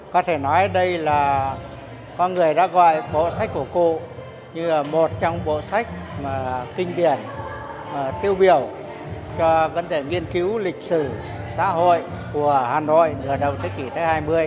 có thể nói đây là con người đã gọi bộ sách của cụ như là một trong bộ sách kinh điển tiêu biểu cho vấn đề nghiên cứu lịch sử xã hội của hà nội nửa đầu thế kỷ thứ hai mươi